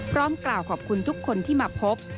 พร้อมกล่าวขอบคุณทุกคนที่มาพบ